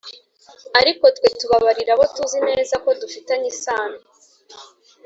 ariko twe tubabarira abo tuzi neza ko dufitanye isano